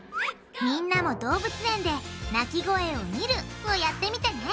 みんなも動物園で鳴き声を「見る」をやってみてね！